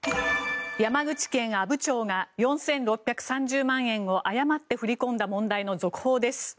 山口県阿武町が４６３０万円を誤って振り込んだ問題の続報です。